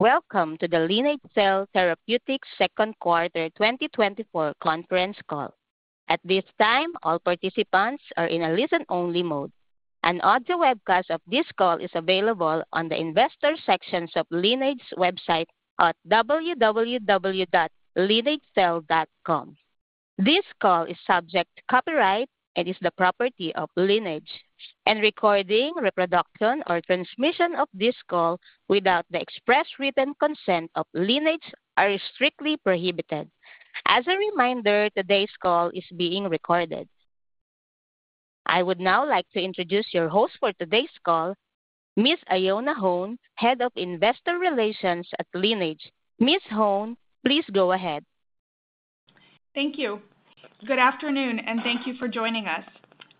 Welcome to the Lineage Cell Therapeutics second quarter 2024 conference call. At this time, all participants are in a listen-only mode. An audio webcast of this call is available on the investors section of Lineage's website at www.lineagecell.com. This call is subject to copyright and is the property of Lineage, and recording, reproduction, or transmission of this call without the express written consent of Lineage are strictly prohibited. As a reminder, today's call is being recorded. I would now like to introduce your host for today's call, Ms. Ioana Hone, Head of Investor Relations at Lineage. Ms. Hone, please go ahead. Thank you. Good afternoon, and thank you for joining us.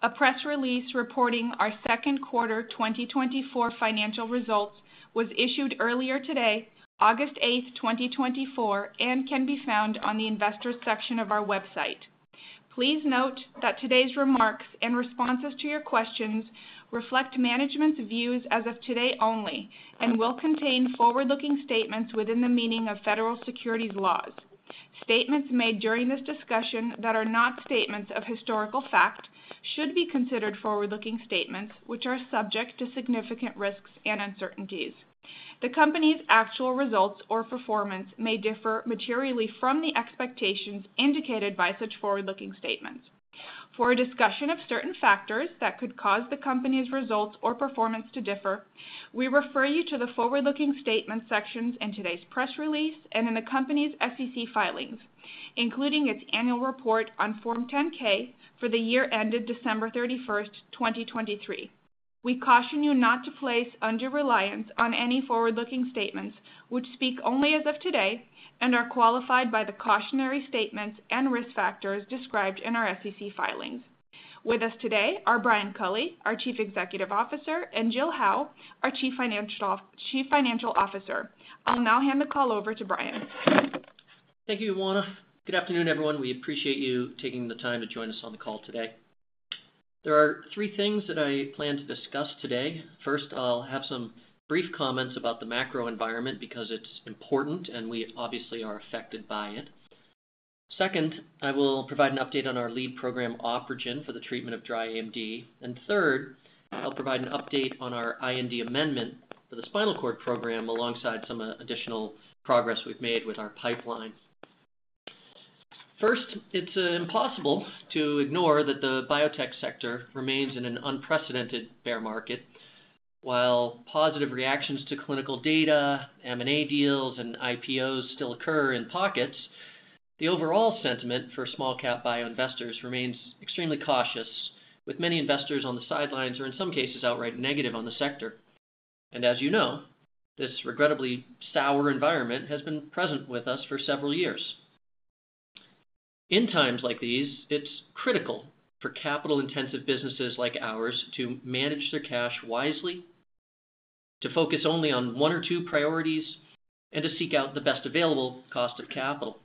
A press release reporting our second quarter 2024 financial results was issued earlier today, August 8, 2024, and can be found on the Investors section of our website. Please note that today's remarks and responses to your questions reflect management's views as of today only and will contain forward-looking statements within the meaning of Federal securities laws. Statements made during this discussion that are not statements of historical fact should be considered forward-looking statements, which are subject to significant risks and uncertainties. The company's actual results or performance may differ materially from the expectations indicated by such forward-looking statements. For a discussion of certain factors that could cause the company's results or performance to differ, we refer you to the forward-looking statements sections in today's press release and in the company's SEC filings, including its annual report on Form 10-K for the year ended December 31, 2023. We caution you not to place undue reliance on any forward-looking statements, which speak only as of today and are qualified by the cautionary statements and risk factors described in our SEC filings. With us today are Brian Culley, our Chief Executive Officer, and Jill Howe, our Chief Financial Officer. I'll now hand the call over to Brian. Thank you, Ioana. Good afternoon, everyone. We appreciate you taking the time to join us on the call today. There are three things that I plan to discuss today. First, I'll have some brief comments about the macro environment because it's important, and we obviously are affected by it. Second, I will provide an update on our lead program, OpRegen, for the treatment of dry AMD. And third, I'll provide an update on our IND amendment for the spinal cord program, alongside some additional progress we've made with our pipeline. First, it's impossible to ignore that the biotech sector remains in an unprecedented bear market. While positive reactions to clinical data, M&A deals, and IPOs still occur in pockets, the overall sentiment for small-cap bio investors remains extremely cautious, with many investors on the sidelines or, in some cases, outright negative on the sector. As you know, this regrettably sour environment has been present with us for several years. In times like these, it's critical for capital-intensive businesses like ours to manage their cash wisely, to focus only on one or two priorities, and to seek out the best available cost of capital.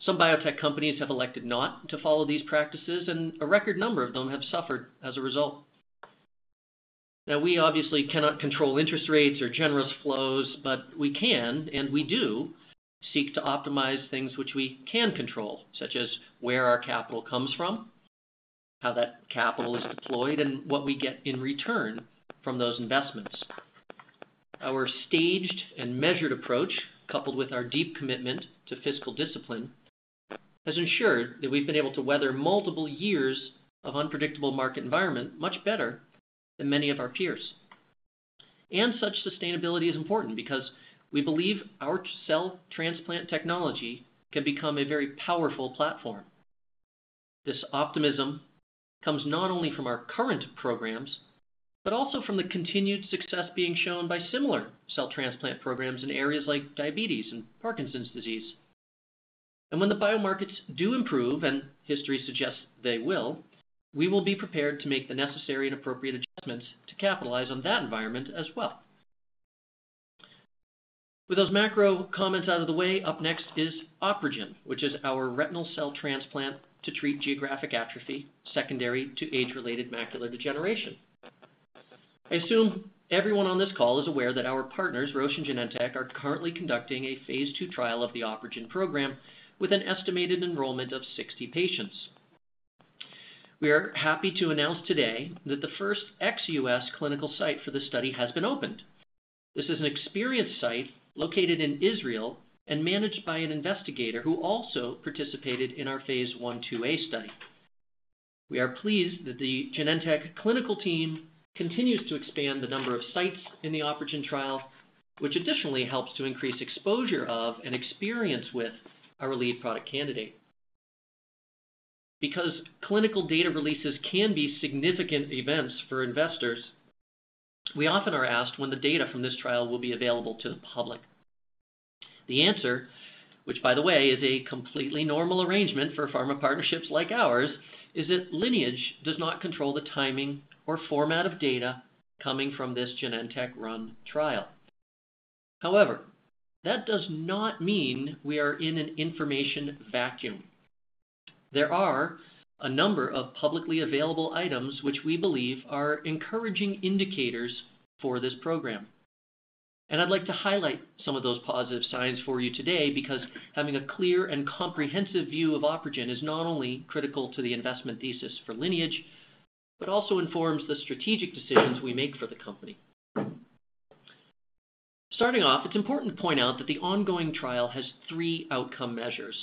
Some biotech companies have elected not to follow these practices, and a record number of them have suffered as a result. Now, we obviously cannot control interest rates or generous flows, but we can, and we do, seek to optimize things which we can control, such as where our capital comes from, how that capital is deployed, and what we get in return from those investments. Our staged and measured approach, coupled with our deep commitment to fiscal discipline, has ensured that we've been able to weather multiple years of unpredictable market environment much better than many of our peers. Such sustainability is important because we believe our cell transplant technology can become a very powerful platform. This optimism comes not only from our current programs, but also from the continued success being shown by similar cell transplant programs in areas like diabetes and Parkinson's disease. And when the biomarkets do improve, and history suggests they will, we will be prepared to make the necessary and appropriate adjustments to capitalize on that environment as well. With those macro comments out of the way, up next is OpRegen, which is our retinal cell transplant to treat geographic atrophy secondary to age-related macular degeneration. I assume everyone on this call is aware that our partners, Roche and Genentech, are currently conducting a Phase II trial of the OpRegen program with an estimated enrollment of 60 patients. We are happy to announce today that the first ex-U.S. clinical site for this study has been opened. This is an experienced site located in Israel and managed by an investigator who also participated in our Phase I/IIa study. We are pleased that the Genentech clinical team continues to expand the number of sites in the OpRegen trial, which additionally helps to increase exposure of and experience with our lead product candidate. Because clinical data releases can be significant events for investors, we often are asked when the data from this trial will be available to the public. The answer, which, by the way, is a completely normal arrangement for pharma partnerships like ours, is that Lineage does not control the timing or format of data coming from this Genentech-run trial. However, that does not mean we are in an information vacuum.... There are a number of publicly available items which we believe are encouraging indicators for this program. I'd like to highlight some of those positive signs for you today, because having a clear and comprehensive view of OpRegen is not only critical to the investment thesis for Lineage, but also informs the strategic decisions we make for the company. Starting off, it's important to point out that the ongoing trial has three outcome measures.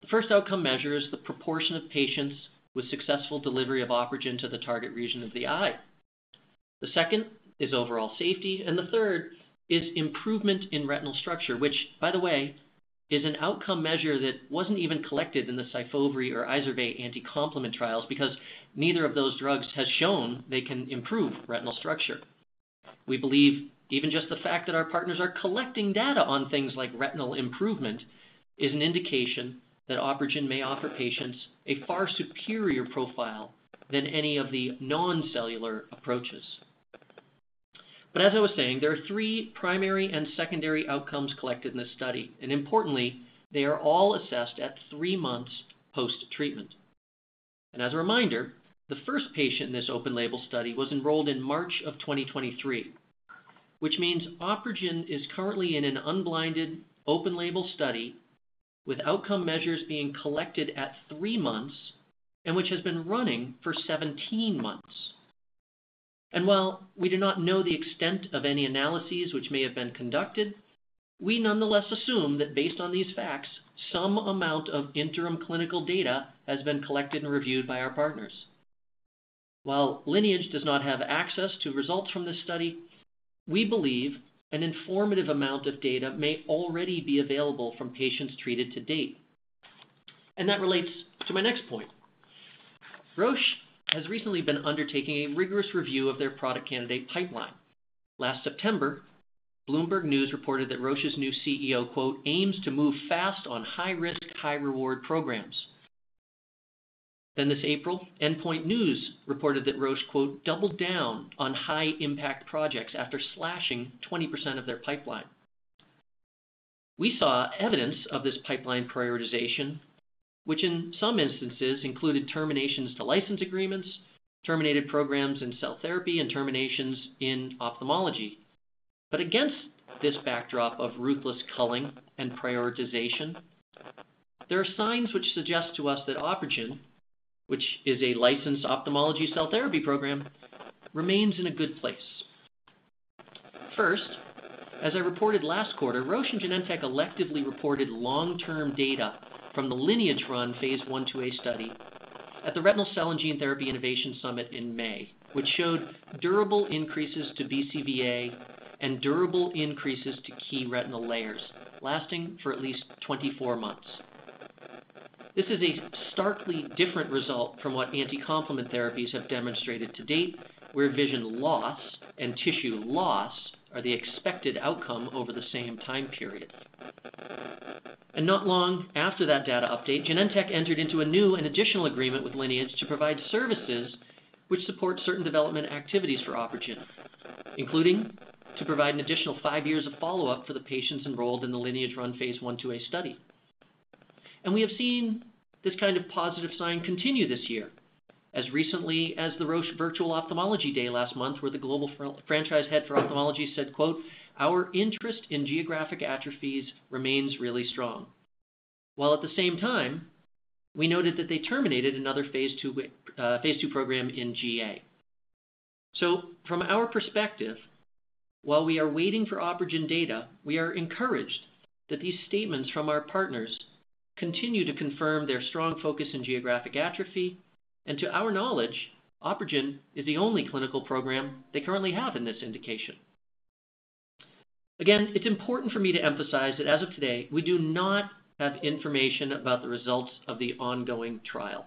The first outcome measure is the proportion of patients with successful delivery of OpRegen to the target region of the eye. The second is overall safety, and the third is improvement in retinal structure, which, by the way, is an outcome measure that wasn't even collected in the SYFOVRE or IZERVAY anti-complement trials because neither of those drugs has shown they can improve retinal structure. We believe even just the fact that our partners are collecting data on things like retinal improvement is an indication that OpRegen may offer patients a far superior profile than any of the non-cellular approaches. But as I was saying, there are three primary and secondary outcomes collected in this study, and importantly, they are all assessed at three months post-treatment. And as a reminder, the first patient in this open-label study was enrolled in March of 2023, which means OpRegen is currently in an unblinded open-label study, with outcome measures being collected at three months, and which has been running for 17 months. And while we do not know the extent of any analyses which may have been conducted, we nonetheless assume that based on these facts, some amount of interim clinical data has been collected and reviewed by our partners. While Lineage does not have access to results from this study, we believe an informative amount of data may already be available from patients treated to date. That relates to my next point. Roche has recently been undertaking a rigorous review of their product candidate pipeline. Last September, Bloomberg News reported that Roche's new CEO, quote, "Aims to move fast on high-risk, high-reward programs." Then this April, Endpoints News reported that Roche, quote, "Doubled down on high-impact projects after slashing 20% of their pipeline." We saw evidence of this pipeline prioritization, which in some instances included terminations to license agreements, terminated programs in cell therapy and terminations in ophthalmology. Against this backdrop of ruthless culling and prioritization, there are signs which suggest to us that OpRegen, which is a licensed ophthalmology cell therapy program, remains in a good place. First, as I reported last quarter, Roche and Genentech electively reported long-term data from the Lineage-run Phase I / II a study at the Retinal Cell and Gene Therapy Innovation Summit in May, which showed durable increases to BCVA and durable increases to key retinal layers lasting for at least 24 months. This is a starkly different result from what anti-complement therapies have demonstrated to date, where vision loss and tissue loss are the expected outcome over the same time period. Not long after that data update, Genentech entered into a new and additional agreement with Lineage to provide services which support certain development activities for OpRegen, including to provide an additional 5 years of follow-up for the patients enrolled in the Lineage-run Phase I / IIa study. And we have seen this kind of positive sign continue this year, as recently as the Roche Virtual Ophthalmology Day last month, where the global franchise head for ophthalmology said, quote, "Our interest in geographic atrophies remains really strong," while at the same time, we noted that they terminated another Phase II, Phase II program in GA. So from our perspective, while we are waiting for OpRegen data, we are encouraged that these statements from our partners continue to confirm their strong focus in geographic atrophy, and to our knowledge, OpRegen is the only clinical program they currently have in this indication. Again, it's important for me to emphasize that as of today, we do not have information about the results of the ongoing trial.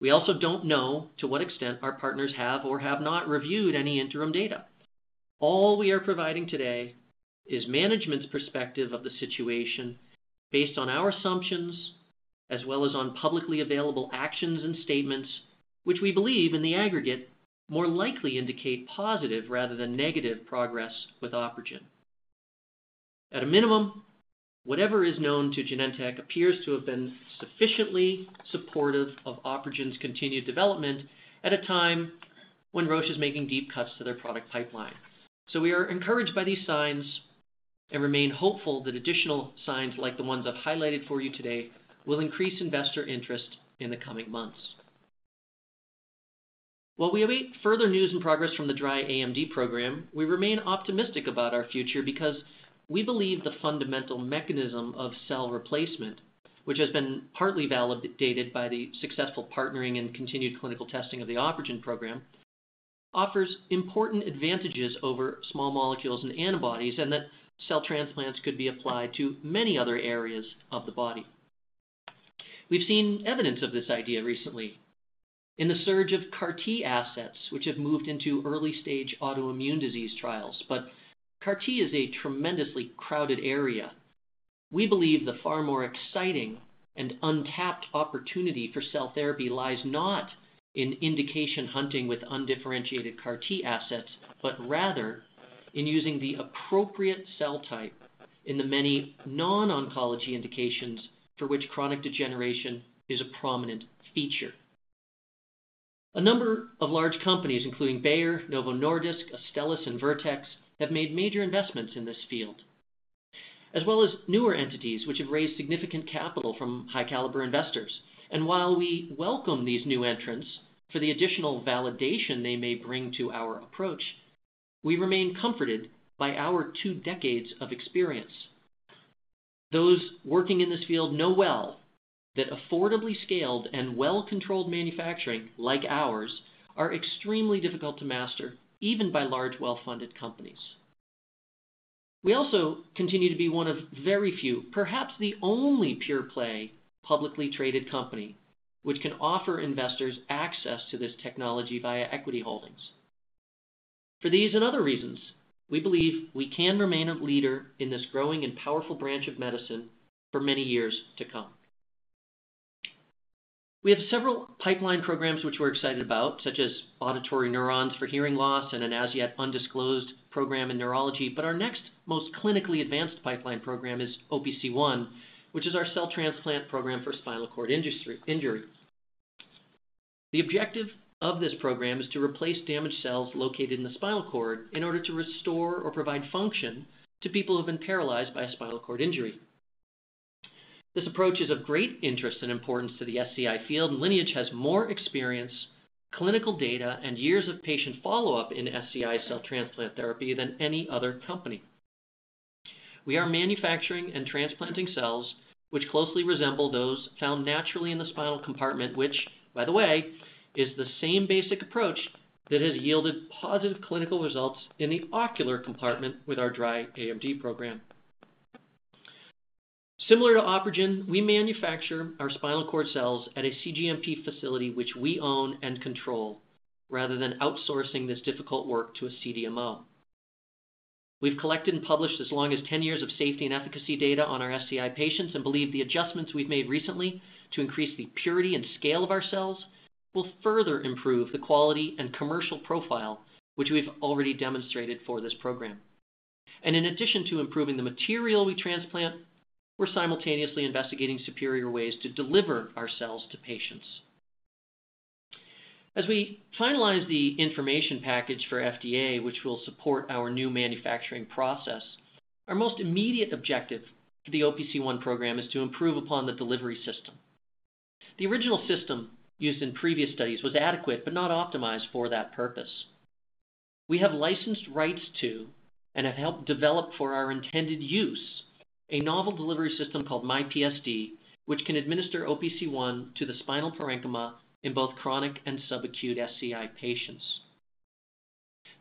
We also don't know to what extent our partners have or have not reviewed any interim data. All we are providing today is management's perspective of the situation based on our assumptions, as well as on publicly available actions and statements, which we believe in the aggregate, more likely indicate positive rather than negative progress with OpRegen. At a minimum, whatever is known to Genentech appears to have been sufficiently supportive of OpRegen's continued development at a time when Roche is making deep cuts to their product pipeline. So we are encouraged by these signs and remain hopeful that additional signs, like the ones I've highlighted for you today, will increase investor interest in the coming months. While we await further news and progress from the dry AMD program, we remain optimistic about our future because we believe the fundamental mechanism of cell replacement, which has been partly validated by the successful partnering and continued clinical testing of the OpRegen program, offers important advantages over small molecules and antibodies, and that cell transplants could be applied to many other areas of the body. We've seen evidence of this idea recently in the surge of CAR-T assets, which have moved into early-stage autoimmune disease trials. But CAR-T is a tremendously crowded area. We believe the far more exciting and untapped opportunity for cell therapy lies not in indication hunting with undifferentiated CAR-T assets, but rather… in using the appropriate cell type in the many non-oncology indications for which chronic degeneration is a prominent feature. A number of large companies, including Bayer, Novo Nordisk, Astellas, and Vertex, have made major investments in this field, as well as newer entities which have raised significant capital from high-caliber investors. And while we welcome these new entrants for the additional validation they may bring to our approach, we remain comforted by our two decades of experience. Those working in this field know well that affordably scaled and well-controlled manufacturing, like ours, are extremely difficult to master, even by large, well-funded companies. We also continue to be one of very few, perhaps the only pure-play, publicly traded company which can offer investors access to this technology via equity holdings. For these and other reasons, we believe we can remain a leader in this growing and powerful branch of medicine for many years to come. We have several pipeline programs which we're excited about, such as auditory neurons for hearing loss and an as-yet-undisclosed program in neurology. But our next most clinically advanced pipeline program is OPC1, which is our cell transplant program for spinal cord injury. The objective of this program is to replace damaged cells located in the spinal cord in order to restore or provide function to people who have been paralyzed by a spinal cord injury. This approach is of great interest and importance to the SCI field, and Lineage has more experience, clinical data, and years of patient follow-up in SCI cell transplant therapy than any other company. We are manufacturing and transplanting cells which closely resemble those found naturally in the spinal compartment, which, by the way, is the same basic approach that has yielded positive clinical results in the ocular compartment with our dry AMD program. Similar to Opregen, we manufacture our spinal cord cells at a cGMP facility, which we own and control, rather than outsourcing this difficult work to a CDMO. We've collected and published as long as 10 years of safety and efficacy data on our SCI patients and believe the adjustments we've made recently to increase the purity and scale of our cells will further improve the quality and commercial profile, which we've already demonstrated for this program. In addition to improving the material we transplant, we're simultaneously investigating superior ways to deliver our cells to patients. As we finalize the information package for FDA, which will support our new manufacturing process, our most immediate objective for the OPC1 program is to improve upon the delivery system. The original system used in previous studies was adequate but not optimized for that purpose. We have licensed rights to, and have helped develop for our intended use, a novel delivery system called myPSD, which can administer OPC1 to the spinal parenchyma in both chronic and subacute SCI patients.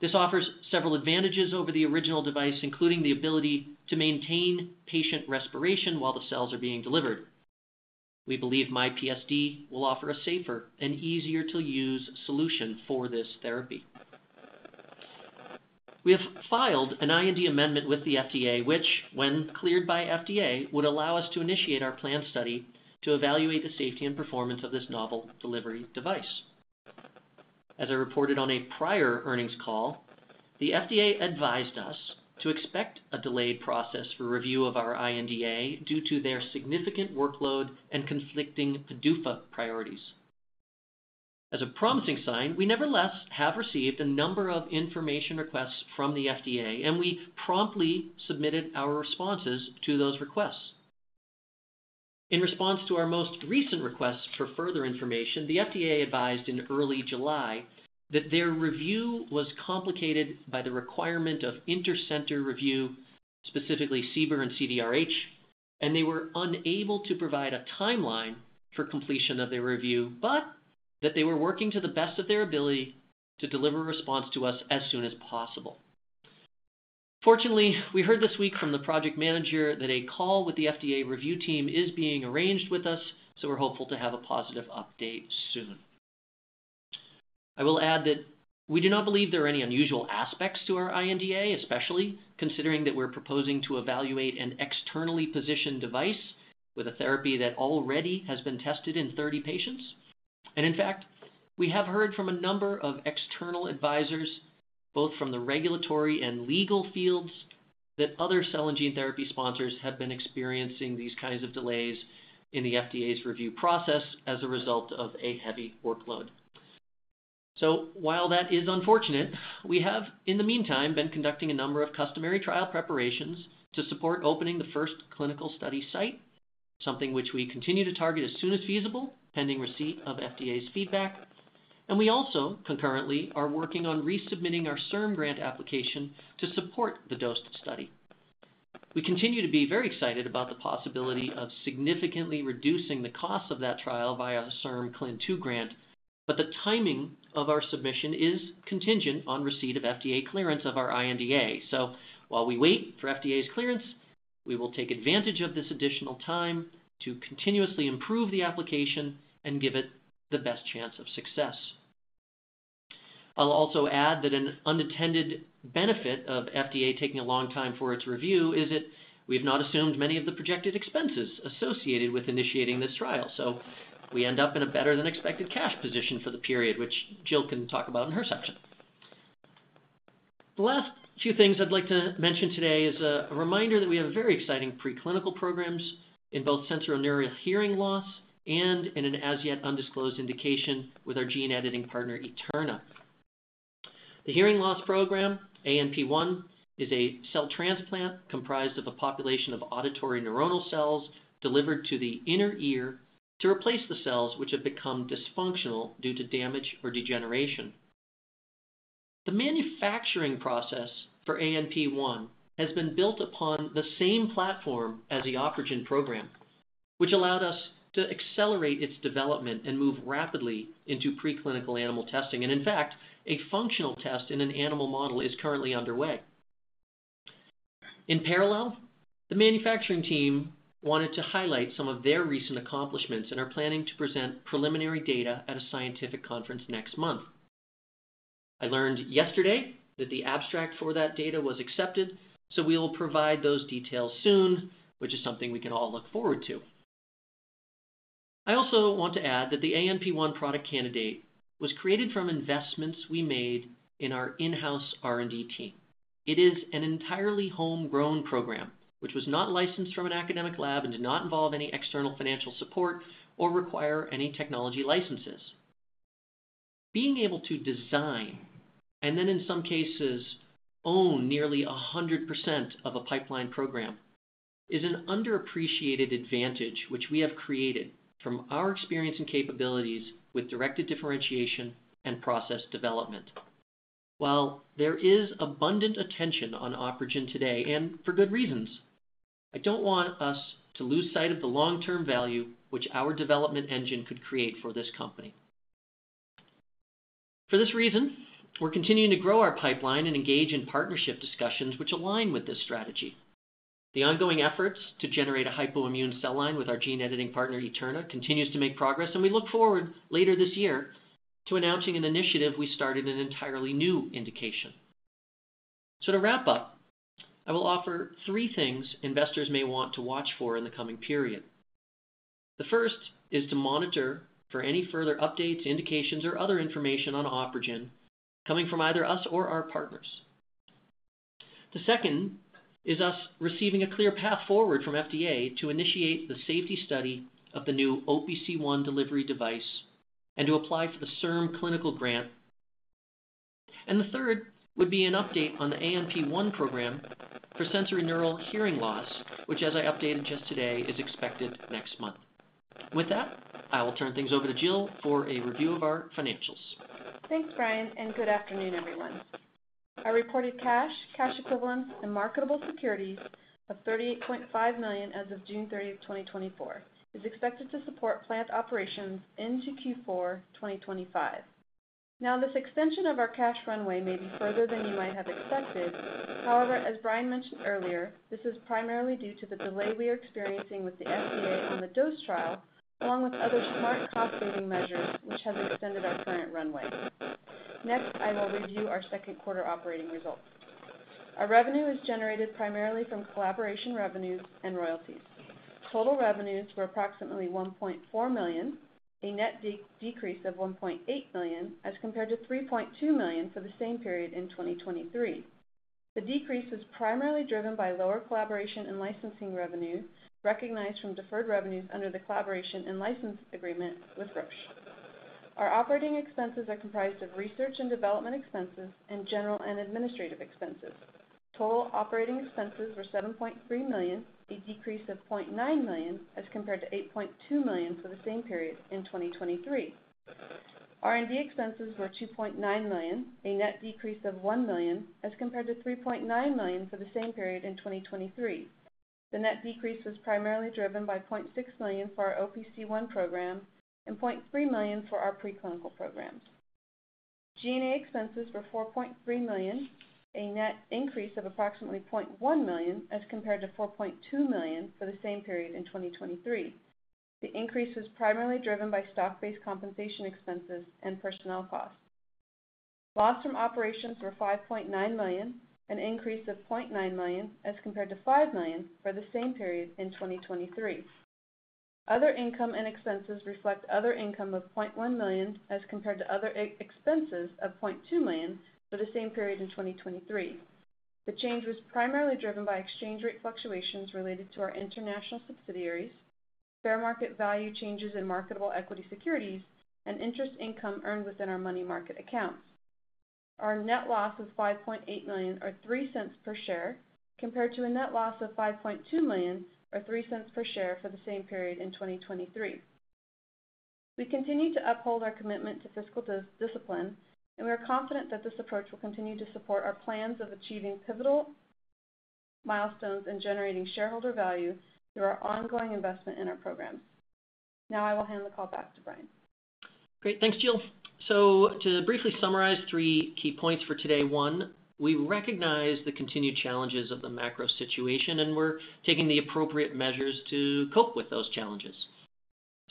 This offers several advantages over the original device, including the ability to maintain patient respiration while the cells are being delivered. We believe myPSD will offer a safer and easier-to-use solution for this therapy. We have filed an IND amendment with the FDA, which, when cleared by FDA, would allow us to initiate our planned study to evaluate the safety and performance of this novel delivery device. As I reported on a prior earnings call, the FDA advised us to expect a delayed process for review of our IND due to their significant workload and conflicting PDUFA priorities. As a promising sign, we nevertheless have received a number of information requests from the FDA, and we promptly submitted our responses to those requests. In response to our most recent request for further information, the FDA advised in early July that their review was complicated by the requirement of intercenter review, specifically CBER and CDRH, and they were unable to provide a timeline for completion of their review, but that they were working to the best of their ability to deliver a response to us as soon as possible. Fortunately, we heard this week from the project manager that a call with the FDA review team is being arranged with us, so we're hopeful to have a positive update soon. I will add that we do not believe there are any unusual aspects to our IND, especially considering that we're proposing to evaluate an externally positioned device with a therapy that already has been tested in 30 patients. And in fact, we have heard from a number of external advisors, both from the regulatory and legal fields, that other cell and gene therapy sponsors have been experiencing these kinds of delays in the FDA's review process as a result of a heavy workload. So while that is unfortunate, we have, in the meantime, been conducting a number of customary trial preparations to support opening the first clinical study site, something which we continue to target as soon as feasible, pending receipt of FDA's feedback. And we also concurrently are working on resubmitting our CIRM grant application to support the dosed study. We continue to be very excited about the possibility of significantly reducing the cost of that trial via the CIRM CLIN2 grant, but the timing of our submission is contingent on receipt of FDA clearance of our IND. So while we wait for FDA's clearance, we will take advantage of this additional time to continuously improve the application and give it the best chance of success. I'll also add that an unintended benefit of FDA taking a long time for its review is that we've not assumed many of the projected expenses associated with initiating this trial, so we end up in a better-than-expected cash position for the period, which Jill can talk about in her section. The last two things I'd like to mention today is a reminder that we have very exciting preclinical programs in both sensorineural hearing loss and in an as-yet-undisclosed indication with our gene editing partner, Eterna. The hearing loss program, ANP1, is a cell transplant comprised of a population of auditory neuronal cells delivered to the inner ear to replace the cells which have become dysfunctional due to damage or degeneration. The manufacturing process for ANP1 has been built upon the same platform as the OpRegen program, which allowed us to accelerate its development and move rapidly into preclinical animal testing. And in fact, a functional test in an animal model is currently underway. In parallel, the manufacturing team wanted to highlight some of their recent accomplishments and are planning to present preliminary data at a scientific conference next month. I learned yesterday that the abstract for that data was accepted, so we will provide those details soon, which is something we can all look forward to. I also want to add that the ANP1 product candidate was created from investments we made in our in-house R&D team. It is an entirely homegrown program, which was not licensed from an academic lab and did not involve any external financial support or require any technology licenses. Being able to design, and then in some cases, own nearly 100% of a pipeline program, is an underappreciated advantage, which we have created from our experience and capabilities with directed differentiation and process development. While there is abundant attention on OpRegen today, and for good reasons, I don't want us to lose sight of the long-term value which our development engine could create for this company. For this reason, we're continuing to grow our pipeline and engage in partnership discussions which align with this strategy. The ongoing efforts to generate a hypoimmune cell line with our gene editing partner, Eterna, continues to make progress, and we look forward later this year to announcing an initiative we started an entirely new indication. So to wrap up, I will offer three things investors may want to watch for in the coming period. The first is to monitor for any further updates, indications, or other information on OpRegen coming from either us or our partners. The second is us receiving a clear path forward from FDA to initiate the safety study of the new OPC1 delivery device and to apply for the CIRM clinical grant. The third would be an update on the ANP1 program for sensorineural hearing loss, which, as I updated just today, is expected next month. With that, I will turn things over to Jill for a review of our financials. Thanks, Brian, and good afternoon, everyone. Our reported cash, cash equivalents, and marketable securities of $38.5 million as of June 30, 2024, is expected to support plant operations into Q4 2025. Now, this extension of our cash runway may be further than you might have expected. However, as Brian mentioned earlier, this is primarily due to the delay we are experiencing with the FDA on the dosed trial, along with other smart cost-saving measures, which have extended our current runway. Next, I will review our second quarter operating results. Our revenue is generated primarily from collaboration revenues and royalties. Total revenues were approximately $1.4 million, a net decrease of $1.8 million, as compared to $3.2 million for the same period in 2023. The decrease is primarily driven by lower collaboration and licensing revenues recognized from deferred revenues under the collaboration and license agreement with Roche. Our operating expenses are comprised of research and development expenses, and general and administrative expenses. Total operating expenses were $7.3 million, a decrease of $0.9 million, as compared to $8.2 million for the same period in 2023. R&D expenses were $2.9 million, a net decrease of $1 million, as compared to $3.9 million for the same period in 2023. The net decrease was primarily driven by $0.6 million for our OPC1 program and $0.3 million for our preclinical programs. G&A expenses were $4.3 million, a net increase of approximately $0.1 million, as compared to $4.2 million for the same period in 2023. The increase was primarily driven by stock-based compensation expenses and personnel costs. Loss from operations were $5.9 million, an increase of $0.9 million, as compared to $5 million for the same period in 2023. Other income and expenses reflect other income of $0.1 million, as compared to other expenses of $0.2 million for the same period in 2023. The change was primarily driven by exchange rate fluctuations related to our international subsidiaries, fair market value changes in marketable equity securities, and interest income earned within our money market accounts. Our net loss of $5.8 million, or $0.03 per share, compared to a net loss of $5.2 million, or $0.03 per share, for the same period in 2023. We continue to uphold our commitment to fiscal discipline, and we are confident that this approach will continue to support our plans of achieving pivotal milestones and generating shareholder value through our ongoing investment in our programs. Now I will hand the call back to Brian. Great. Thanks, Jill. So to briefly summarize three key points for today: One, we recognize the continued challenges of the macro situation, and we're taking the appropriate measures to cope with those challenges.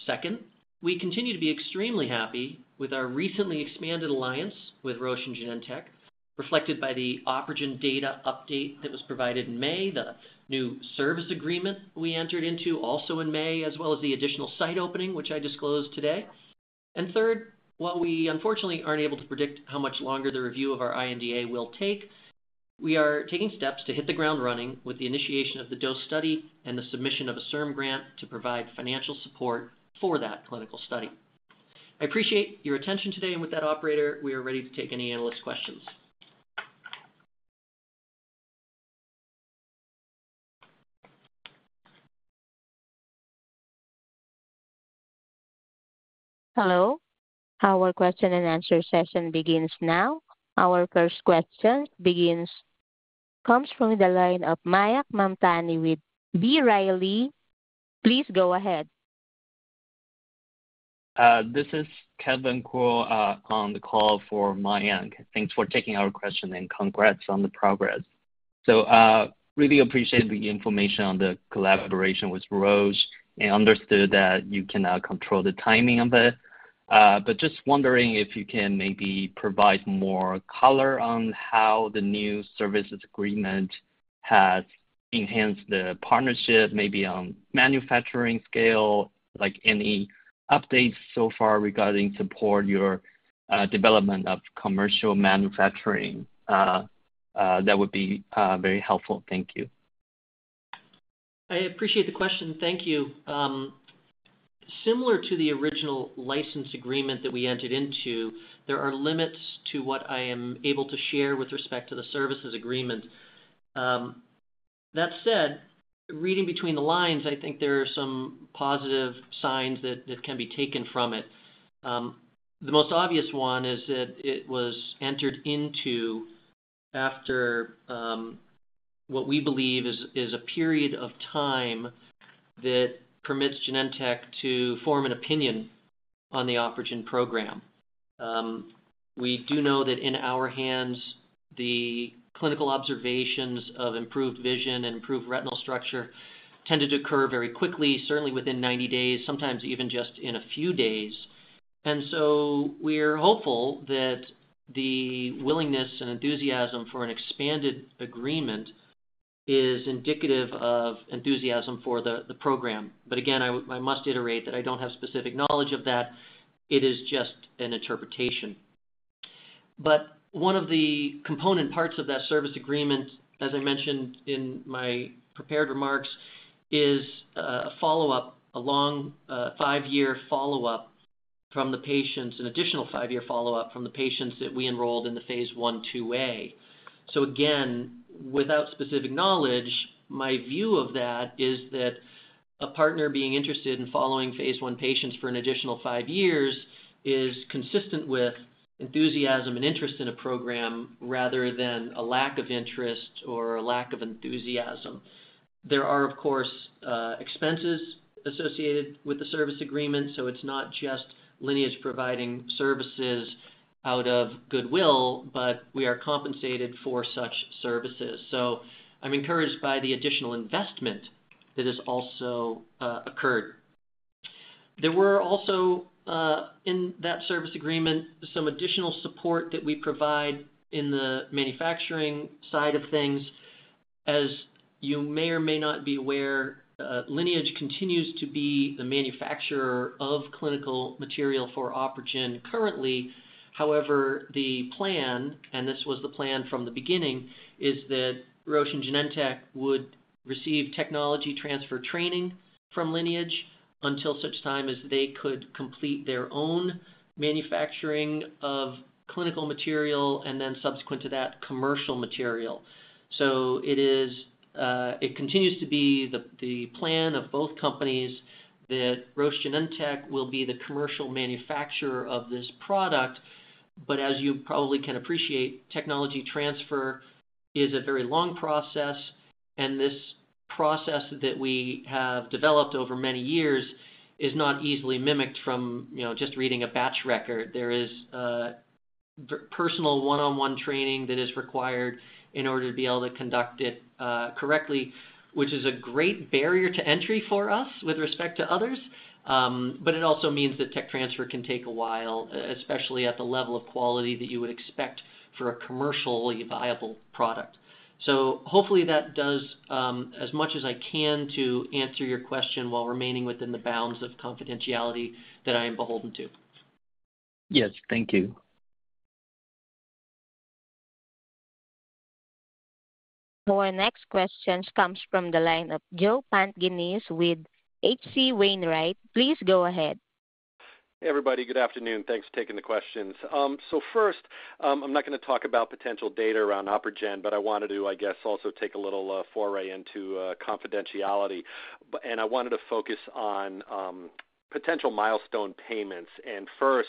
Second, we continue to be extremely happy with our recently expanded alliance with Roche and Genentech, reflected by the OpRegen data update that was provided in May, the new service agreement we entered into also in May, as well as the additional site opening, which I disclosed today.... And third, while we unfortunately aren't able to predict how much longer the review of our INDA will take, we are taking steps to hit the ground running with the initiation of the dose study and the submission of a CIRM grant to provide financial support for that clinical study. I appreciate your attention today, and with that, operator, we are ready to take any analyst questions. Hello, our question-and-answer session begins now. Our first question comes from the line of Mayank Mantani with B. Riley. Please go ahead. This is Kevin Kuo, on the call for Mayank. Thanks for taking our question, and congrats on the progress. So, really appreciate the information on the collaboration with Roche and understood that you cannot control the timing of it. But just wondering if you can maybe provide more color on how the new services agreement has enhanced the partnership, maybe on manufacturing scale, like any updates so far regarding support your development of commercial manufacturing, that would be very helpful. Thank you. I appreciate the question. Thank you. Similar to the original license agreement that we entered into, there are limits to what I am able to share with respect to the services agreement. That said, reading between the lines, I think there are some positive signs that can be taken from it. The most obvious one is that it was entered into after what we believe is a period of time that permits Genentech to form an opinion on the OpRegen program. We do know that in our hands, the clinical observations of improved vision and improved retinal structure tended to occur very quickly, certainly within 90 days, sometimes even just in a few days. And so we're hopeful that the willingness and enthusiasm for an expanded agreement is indicative of enthusiasm for the program. But again, I must iterate that I don't have specific knowledge of that. It is just an interpretation. But one of the component parts of that service agreement, as I mentioned in my prepared remarks, is a follow-up, a long 5-year follow-up from the patients, an additional 5-year follow-up from the patients that we enrolled in the Phase I / IIa. So again, without specific knowledge, my view of that is that a partner being interested in following Phase I patients for an additional 5 years is consistent with enthusiasm and interest in a program rather than a lack of interest or a lack of enthusiasm. There are, of course, expenses associated with the service agreement, so it's not just Lineage providing services out of goodwill, but we are compensated for such services. So I'm encouraged by the additional investment that has also occurred. There were also in that service agreement, some additional support that we provide in the manufacturing side of things. As you may or may not be aware, Lineage continues to be the manufacturer of clinical material for OpRegen currently. However, the plan, and this was the plan from the beginning, is that Roche and Genentech would receive technology transfer training from Lineage until such time as they could complete their own manufacturing of clinical material, and then subsequent to that, commercial material. So it is, it continues to be the plan of both companies that Roche and Genentech will be the commercial manufacturer of this product. But as you probably can appreciate, technology transfer is a very long process, and this process that we have developed over many years is not easily mimicked from, you know, just reading a batch record. There is personal one-on-one training that is required in order to be able to conduct it correctly, which is a great barrier to entry for us with respect to others. But it also means that tech transfer can take a while, especially at the level of quality that you would expect for a commercially viable product. So hopefully that does as much as I can to answer your question, while remaining within the bounds of confidentiality that I am beholden to. Yes, thank you. Our next question comes from the line of Joe Pantginis with H.C. Wainwright. Please go ahead. Hey, everybody. Good afternoon. Thanks for taking the questions. So first, I'm not gonna talk about potential data around OpRegen, but I wanted to, I guess, also take a little foray into confidentiality. And I wanted to focus on potential milestone payments. And first,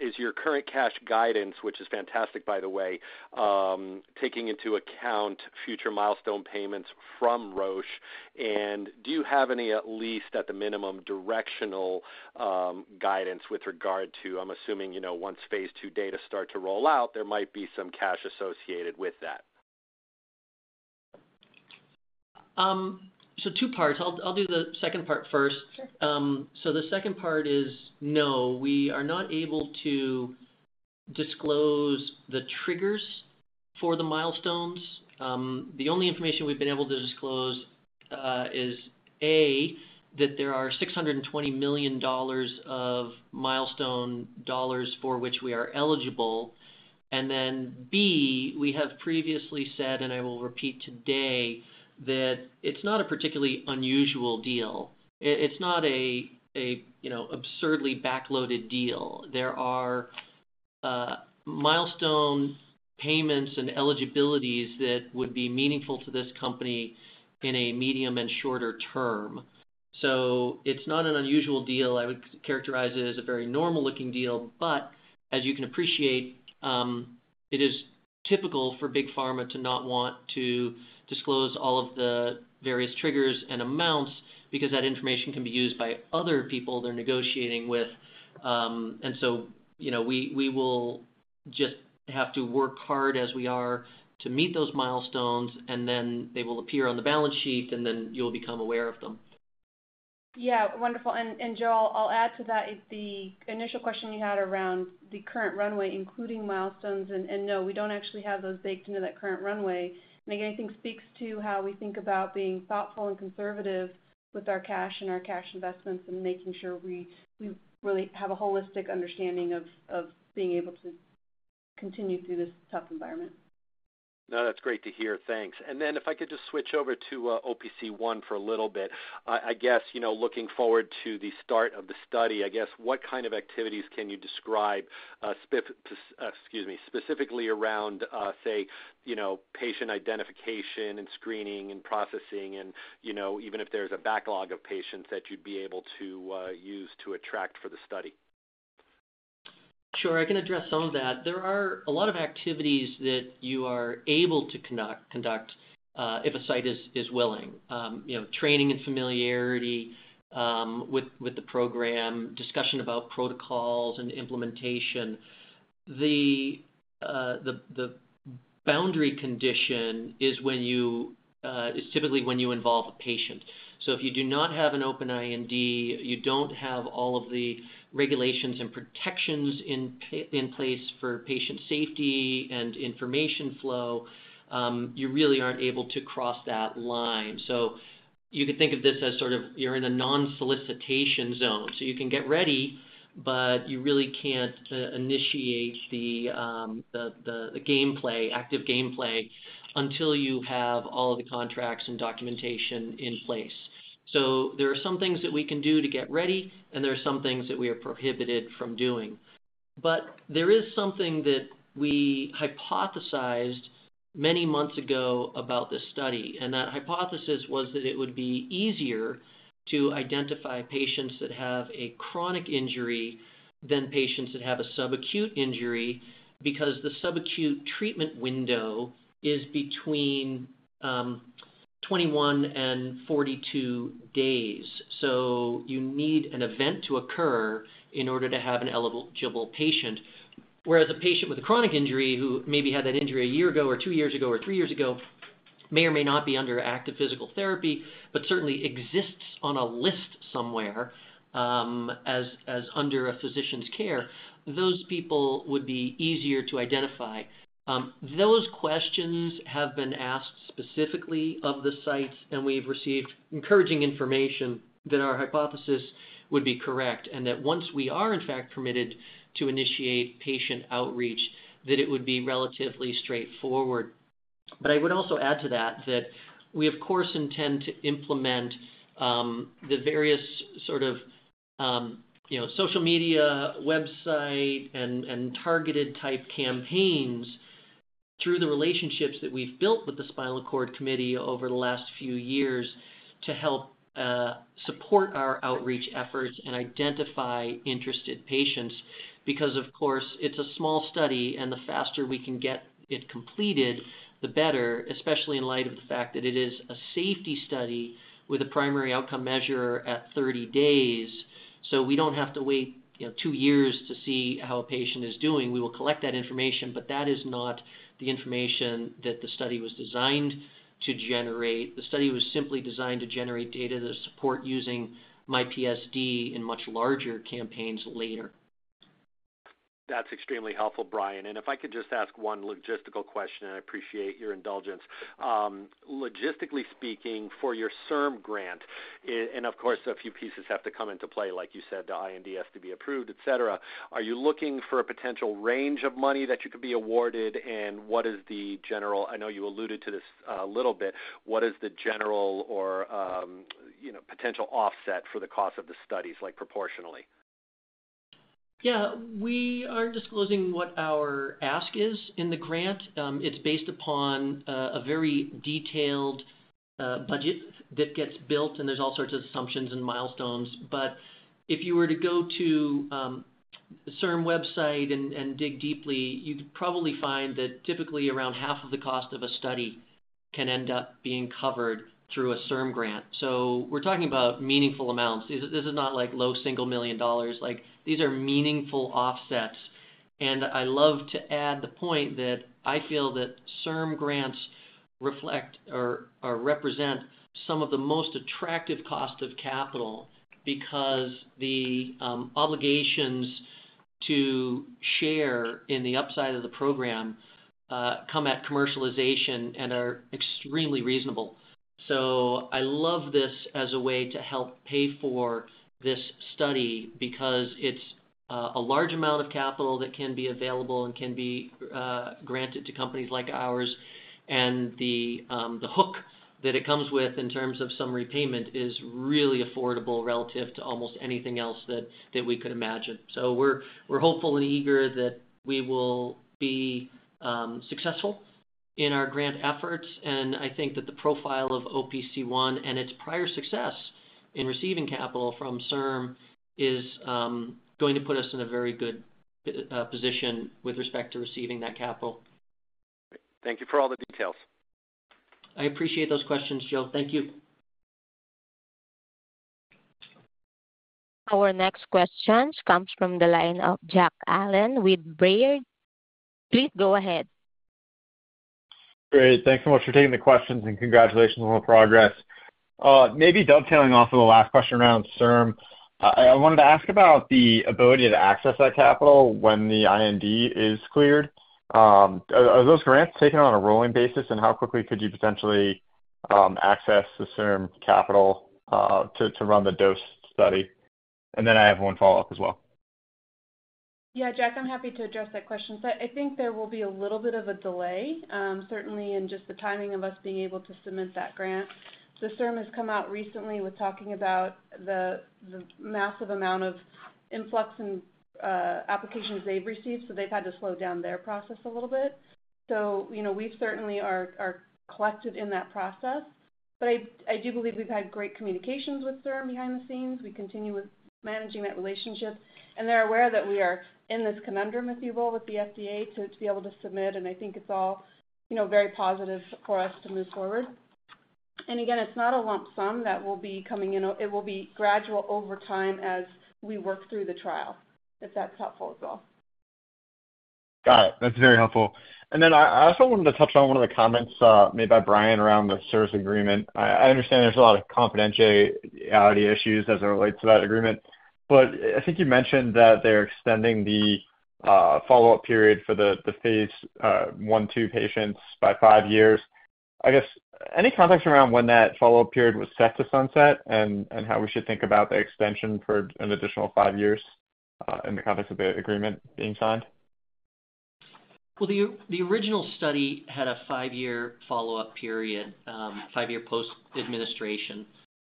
is your current cash guidance, which is fantastic, by the way, taking into account future milestone payments from Roche? And do you have any, at least at the minimum, directional guidance with regard to, I'm assuming, you know, once Phase II data start to roll out, there might be some cash associated with that. So, two parts. I'll do the second part first. Sure. So the second part is, no, we are not able to disclose the triggers for the milestones. The only information we've been able to disclose is, A, that there are $620 million of milestone dollars for which we are eligible, and then, B, we have previously said, and I will repeat today, that it's not a particularly unusual deal. It, it's not a, a, you know, absurdly back-loaded deal. There are milestone payments and eligibilities that would be meaningful to this company in a medium and shorter term. So it's not an unusual deal. I would characterize it as a very normal-looking deal, but as you can appreciate, it is typical for big pharma to not want to disclose all of the various triggers and amounts because that information can be used by other people they're negotiating with. And so, you know, we will just have to work hard as we are to meet those milestones, and then they will appear on the balance sheet, and then you'll become aware of them. Yeah, wonderful. And Joe, I'll add to that, the initial question you had around the current runway, including milestones, and no, we don't actually have those baked into that current runway. And again, I think speaks to how we think about being thoughtful and conservative with our cash and our cash investments and making sure we really have a holistic understanding of being able to continue through this tough environment. No, that's great to hear. Thanks. And then if I could just switch over to OPC1 for a little bit. I guess, you know, looking forward to the start of the study, I guess, what kind of activities can you describe, specifically around, say, you know, patient identification and screening and processing and, you know, even if there's a backlog of patients that you'd be able to use to attract for the study? Sure, I can address some of that. There are a lot of activities that you are able to conduct if a site is willing. You know, training and familiarity with the program, discussion about protocols and implementation. The boundary condition is typically when you involve a patient. So if you do not have an open IND, you don't have all of the regulations and protections in place for patient safety and information flow, you really aren't able to cross that line. So you could think of this as sort of you're in a non-solicitation zone, so you can get ready, but you really can't initiate the game play, active game play, until you have all of the contracts and documentation in place. So there are some things that we can do to get ready, and there are some things that we are prohibited from doing. But there is something that we hypothesized many months ago about this study, and that hypothesis was that it would be easier to identify patients that have a chronic injury than patients that have a subacute injury, because the subacute treatment window is between 21 and 42 days. So you need an event to occur in order to have an eligible patient, whereas a patient with a chronic injury, who maybe had that injury a year ago or two years ago or three years ago, may or may not be under active physical therapy, but certainly exists on a list somewhere, as under a physician's care. Those people would be easier to identify. Those questions have been asked specifically of the sites, and we've received encouraging information that our hypothesis would be correct, and that once we are, in fact, permitted to initiate patient outreach, that it would be relatively straightforward. But I would also add to that, that we, of course, intend to implement the various sort of, you know, social media, website, and targeted type campaigns through the relationships that we've built with the Spinal Cord Committee over the last few years to help support our outreach efforts and identify interested patients. Because, of course, it's a small study, and the faster we can get it completed, the better, especially in light of the fact that it is a safety study with a primary outcome measure at 30 days. So we don't have to wait, you know, two years to see how a patient is doing. We will collect that information, but that is not the information that the study was designed to generate. The study was simply designed to generate data to support using myPSD in much larger campaigns later. That's extremely helpful, Brian. And if I could just ask one logistical question, and I appreciate your indulgence. Logistically speaking, for your CIRM grant, and of course, a few pieces have to come into play. Like you said, the IND has to be approved, et cetera. Are you looking for a potential range of money that you could be awarded? And what is the general... I know you alluded to this, a little bit. What is the general or, you know, potential offset for the cost of the studies, like, proportionally? Yeah. We aren't disclosing what our ask is in the grant. It's based upon a very detailed budget that gets built, and there's all sorts of assumptions and milestones. But if you were to go to the CIRM website and dig deeply, you'd probably find that typically around half of the cost of a study can end up being covered through a CIRM grant. So we're talking about meaningful amounts. This, this is not like low single million dollars. Like, these are meaningful offsets. And I love to add the point that I feel that CIRM grants reflect or represent some of the most attractive cost of capital because the obligations to share in the upside of the program come at commercialization and are extremely reasonable. So I love this as a way to help pay for this study because it's a large amount of capital that can be available and can be granted to companies like ours. And the hook that it comes with in terms of some repayment is really affordable relative to almost anything else that we could imagine. So we're hopeful and eager that we will be successful in our grant efforts, and I think that the profile of OPC1 and its prior success in receiving capital from CIRM is going to put us in a very good position with respect to receiving that capital. Thank you for all the details. I appreciate those questions, Joe. Thank you. Our next question comes from the line of Jack Allen with Baird. Please go ahead. Great. Thanks so much for taking the questions, and congratulations on the progress. Maybe dovetailing off of the last question around CIRM, I wanted to ask about the ability to access that capital when the IND is cleared. Are those grants taken on a rolling basis, and how quickly could you potentially access the CIRM capital to run the dose study? And then I have one follow-up as well. Yeah, Jack, I'm happy to address that question. So I think there will be a little bit of a delay, certainly in just the timing of us being able to submit that grant. The CIRM has come out recently with talking about the massive amount of influx and applications they've received, so they've had to slow down their process a little bit. So, you know, we certainly are collected in that process, but I do believe we've had great communications with CIRM behind the scenes. We continue with managing that relationship, and they're aware that we are in this conundrum, if you will, with the FDA, to be able to submit, and I think it's all, you know, very positive for us to move forward. And again, it's not a lump sum that will be coming in. It will be gradual over time as we work through the trial, if that's helpful as well. Got it. That's very helpful. And then I, I also wanted to touch on one of the comments made by Brian around the service agreement. I, I understand there's a lot of confidentiality issues as it relates to that agreement, but I think you mentioned that they're extending the follow-up period for the Phase I / II patients by 5 years. I guess any context around when that follow-up period was set to sunset, and how we should think about the extension for an additional 5 years in the context of the agreement being signed? Well, the original study had a five-year follow-up period, five-year post-administration.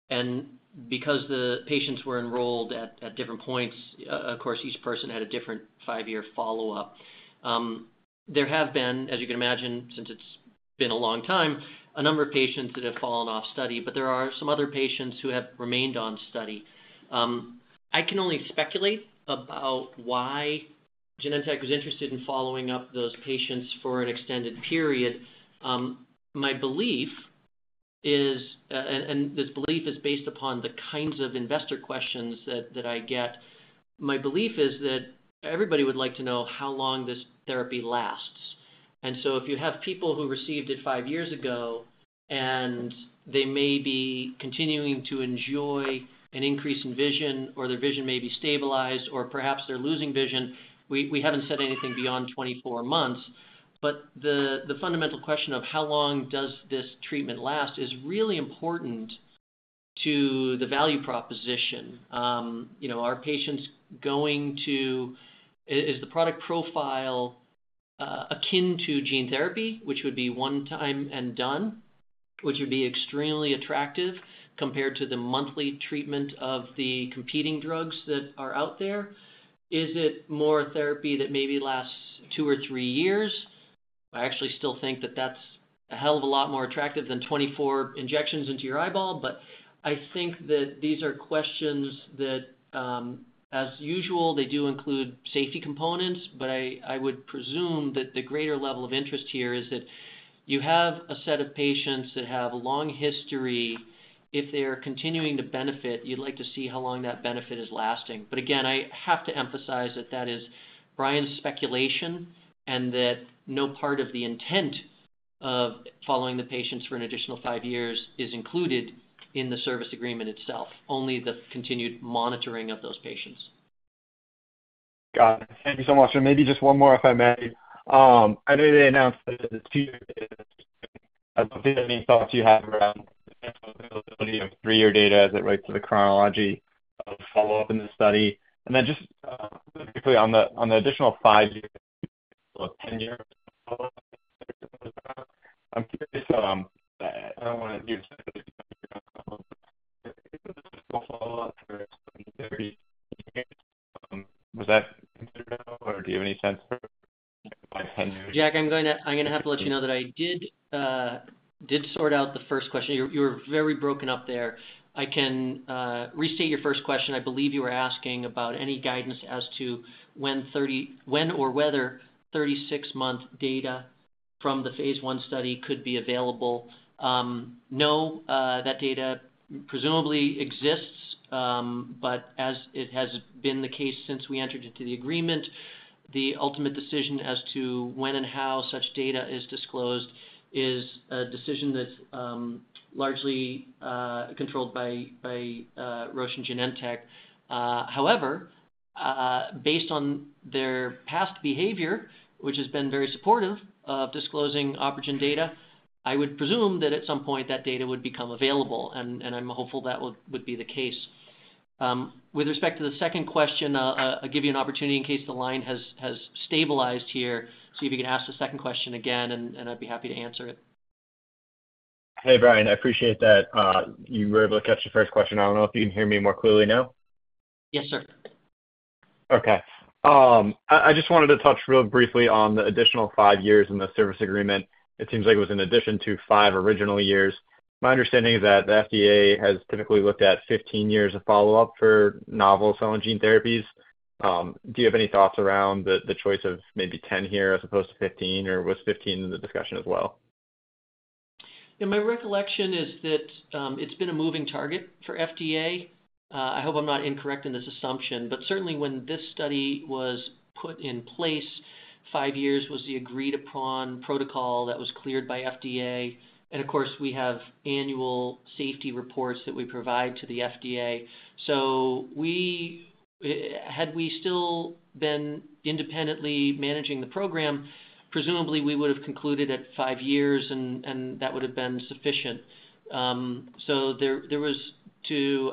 And because the patients were enrolled at different points, of course, each person had a different five-year follow-up. There have been, as you can imagine, since it's been a long time, a number of patients that have fallen off study, but there are some other patients who have remained on study. I can only speculate about why Genentech is interested in following up those patients for an extended period. My belief is, and this belief is based upon the kinds of investor questions that I get. My belief is that everybody would like to know how long this therapy lasts. And so if you have people who received it 5 years ago, and they may be continuing to enjoy an increase in vision, or their vision may be stabilized, or perhaps they're losing vision, we haven't said anything beyond 24 months. But the fundamental question of how long does this treatment last is really important to the value proposition. You know, are patients going to... Is the product profile akin to gene therapy, which would be one time and done, which would be extremely attractive, compared to the monthly treatment of the competing drugs that are out there? Is it more a therapy that maybe lasts 2 or 3 years? I actually still think that that's a hell of a lot more attractive than 24 injections into your eyeball. But I think that these are questions that, as usual, they do include safety components, but I would presume that the greater level of interest here is that you have a set of patients that have a long history. If they are continuing to benefit, you'd like to see how long that benefit is lasting. But again, I have to emphasize that that is Brian's speculation, and that no part of the intent of following the patients for an additional five years is included in the service agreement itself, only the continued monitoring of those patients. Got it. Thank you so much. And maybe just one more, if I may. I know they announced that the 2-year any thoughts you have around the availability of 3-year data as it relates to the chronology of follow-up in the study? And then just, quickly on the, on the additional 5-year, or 10-year was that, or do you have any sense for 10 years? Jack, I'm going to have to let you know that I did sort out the first question. You were very broken up there. I can restate your first question. I believe you were asking about any guidance as to when 36-month data from the Phase I study could be available. No, that data presumably exists, but as it has been the case since we entered into the agreement, the ultimate decision as to when and how such data is disclosed is a decision that's largely controlled by Roche and Genentech. However, based on their past behavior, which has been very supportive of disclosing OpRegen data, I would presume that at some point that data would become available, and I'm hopeful that would be the case. With respect to the second question, I'll give you an opportunity in case the line has stabilized here, see if you can ask the second question again, and I'd be happy to answer it. Hey, Brian, I appreciate that you were able to catch the first question. I don't know if you can hear me more clearly now? Yes, sir. Okay. I just wanted to touch real briefly on the additional 5 years in the service agreement. It seems like it was in addition to 5 original years. My understanding is that the FDA has typically looked at 15 years of follow-up for novel cell and gene therapies. Do you have any thoughts around the choice of maybe 10 here as opposed to 15, or was 15 in the discussion as well? Yeah, my recollection is that it's been a moving target for FDA. I hope I'm not incorrect in this assumption, but certainly when this study was put in place, 5 years was the agreed upon protocol that was cleared by FDA. And of course, we have annual safety reports that we provide to the FDA. So had we still been independently managing the program, presumably we would have concluded at 5 years and that would have been sufficient. So there was, to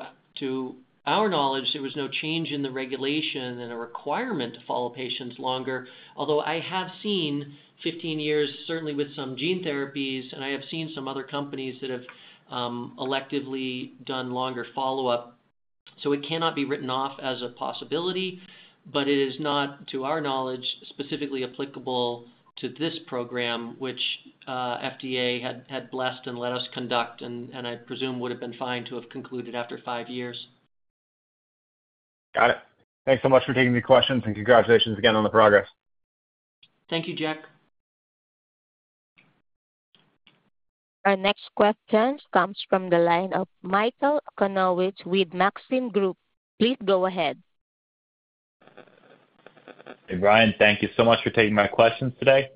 our knowledge, no change in the regulation and a requirement to follow patients longer. Although I have seen 15 years, certainly with some gene therapies, and I have seen some other companies that have electively done longer follow-up, so it cannot be written off as a possibility, but it is not, to our knowledge, specifically applicable to this program, which FDA had blessed and let us conduct, and I presume would have been fine to have concluded after 5 years. Got it. Thanks so much for taking the questions, and congratulations again on the progress. Thank you, Jack. Our next question comes from the line of Michael Okunewitch with Maxim Group. Please go ahead. Hey, Brian, thank you so much for taking my questions today.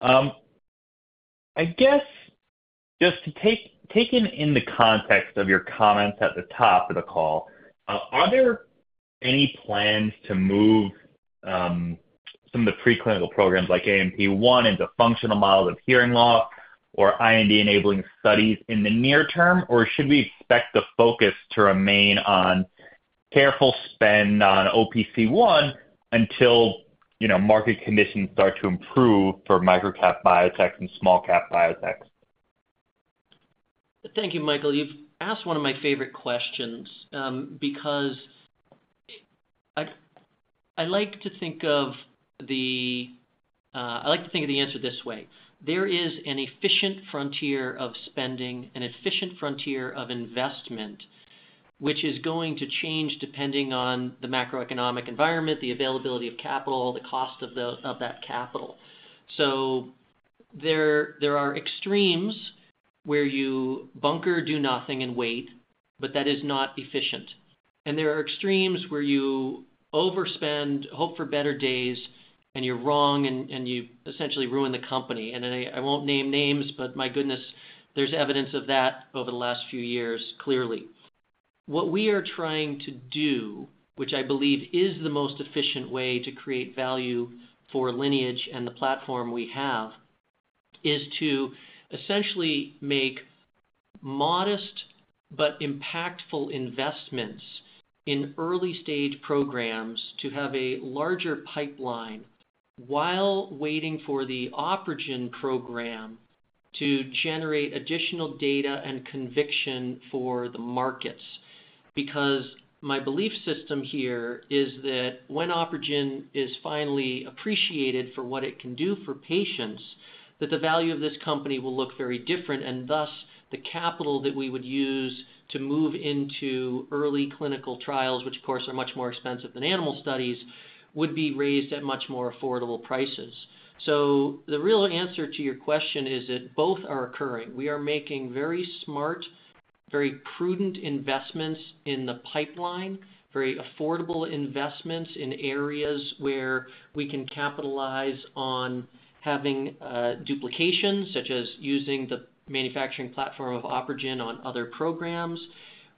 I guess just taking in the context of your comments at the top of the call, are there any plans to move some of the preclinical programs like ANP1 into functional models of hearing loss or IND-enabling studies in the near term? Or should we expect the focus to remain on careful spend on OPC1 until, you know, market conditions start to improve for micro-cap biotech and small-cap biotechs? Thank you, Michael. You've asked one of my favorite questions, because I like to think of the answer this way: there is an efficient frontier of spending, an efficient frontier of investment, which is going to change depending on the macroeconomic environment, the availability of capital, the cost of that capital. So there are extremes where you bunker, do nothing, and wait, but that is not efficient. And there are extremes where you overspend, hope for better days, and you're wrong, and you essentially ruin the company. And I won't name names, but my goodness, there's evidence of that over the last few years, clearly. What we are trying to do, which I believe is the most efficient way to create value for Lineage and the platform we have, is to essentially make modest but impactful investments in early-stage programs to have a larger pipeline while waiting for the OpRegen program to generate additional data and conviction for the markets. Because my belief system here is that when OpRegen is finally appreciated for what it can do for patients, that the value of this company will look very different, and thus, the capital that we would use to move into early clinical trials, which of course are much more expensive than animal studies, would be raised at much more affordable prices. So the real answer to your question is that both are occurring. We are making very smart, very prudent investments in the pipeline, very affordable investments in areas where we can capitalize on having duplications, such as using the manufacturing platform of OpRegen on other programs.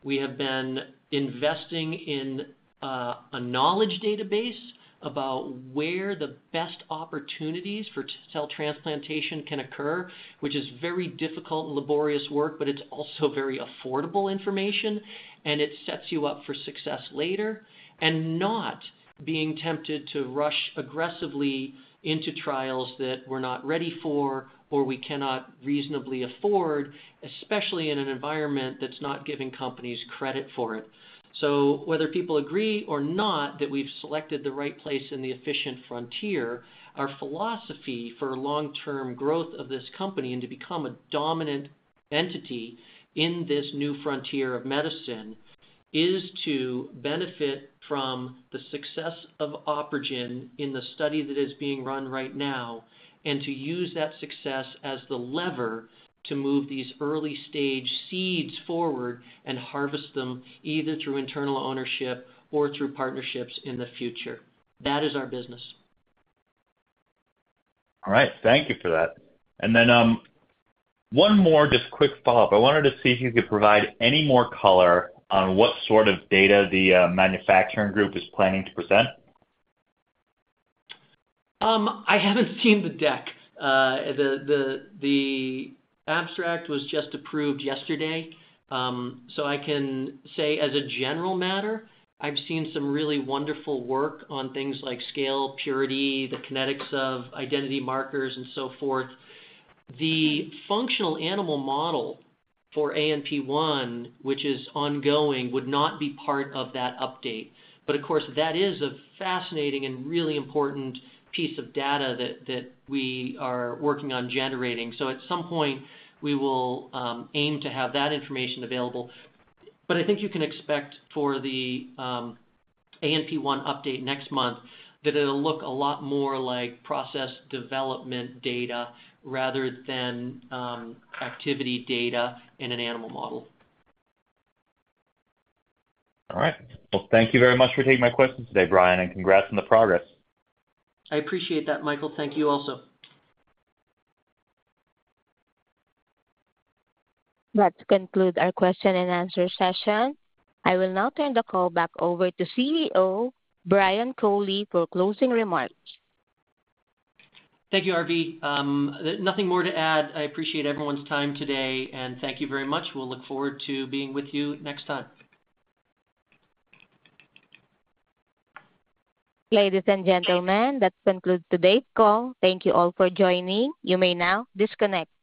We have been investing in a knowledge database about where the best opportunities for cell transplantation can occur, which is very difficult and laborious work, but it's also very affordable information, and it sets you up for success later. And not being tempted to rush aggressively into trials that we're not ready for or we cannot reasonably afford, especially in an environment that's not giving companies credit for it. Whether people agree or not that we've selected the right place in the efficient frontier, our philosophy for long-term growth of this company and to become a dominant entity in this new frontier of medicine, is to benefit from the success of OpRegen in the study that is being run right now, and to use that success as the lever to move these early-stage seeds forward and harvest them either through internal ownership or through partnerships in the future. That is our business. All right, thank you for that. And then, one more just quick follow-up. I wanted to see if you could provide any more color on what sort of data the manufacturing group is planning to present. I haven't seen the deck. The abstract was just approved yesterday. So I can say, as a general matter, I've seen some really wonderful work on things like scale, purity, the kinetics of identity markers, and so forth. The functional animal model for ANP1, which is ongoing, would not be part of that update. But of course, that is a fascinating and really important piece of data that we are working on generating. So at some point, we will aim to have that information available. But I think you can expect for the ANP1 update next month, that it'll look a lot more like process development data rather than activity data in an animal model. All right. Well, thank you very much for taking my questions today, Brian, and congrats on the progress. I appreciate that, Michael. Thank you also. That concludes our question and answer session. I will now turn the call back over to CEO Brian Culley for closing remarks. Thank you, Arvi. Nothing more to add. I appreciate everyone's time today, and thank you very much. We'll look forward to being with you next time. Ladies and gentlemen, that concludes today's call. Thank you all for joining. You may now disconnect.